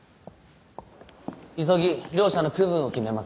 急ぎ両社の区分を決めます。